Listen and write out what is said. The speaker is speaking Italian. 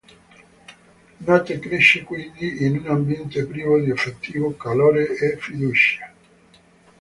Nate cresce quindi in un ambiente privo di effettivo calore e fiducia.